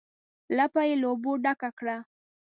لپه یې له اوبو ډکه کړه.